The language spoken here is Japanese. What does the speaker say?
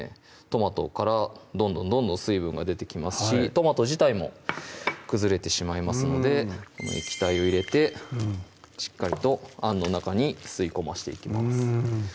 トマトからどんどんどんどん水分が出てきますしトマト自体も崩れてしまいますのでこの液体を入れてしっかりとあんの中に吸い込ましていきます